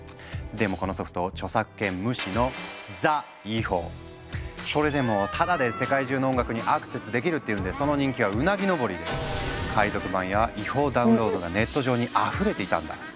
でもこのソフト著作権無視のそれでもタダで世界中の音楽にアクセスできるっていうんでその人気はうなぎ登りで海賊版や違法ダウンロードがネット上にあふれていたんだ。